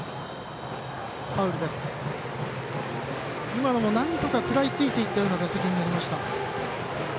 今のもなんとか食らいついていったような打席になりました。